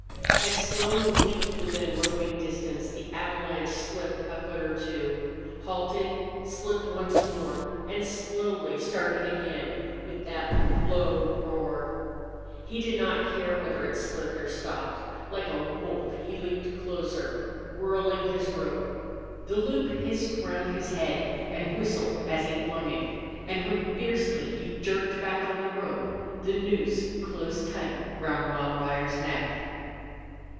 As Slone leaped within roping distance the avalanche slipped a foot or two, halted, slipped once more, and slowly started again with that low roar. He did not care whether it slipped or stopped. Like a wolf he leaped closer, whirling his rope. The loop hissed round his head and whistled as he flung it. And when fiercely he jerked back on the rope, the noose closed tight round Wildfire's neck.